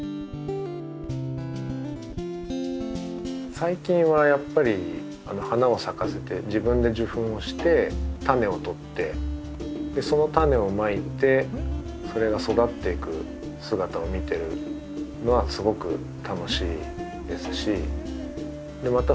最近はやっぱり花を咲かせて自分で受粉をしてタネをとってそのタネをまいてそれが育っていく姿を見てるのはすごく楽しいですしまたそれが大きくなった時に